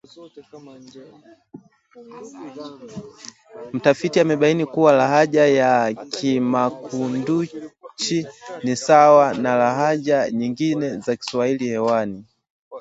Mtafiti amebaini kuwa lahaja ya Kimakunduchi ni sawa na lahaja nyengine za Kiswahili kwani